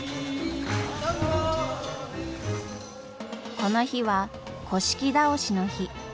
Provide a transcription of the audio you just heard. この日は倒しの日。